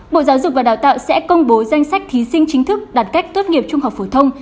bộ giáo dục và đào tạo sẽ công bố danh sách thí sinh chính thức đạt cách tốt nghiệp trung học phổ thông